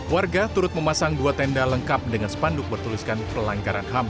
warga turut memasang dua tenda lengkap dengan spanduk bertuliskan pelanggaran ham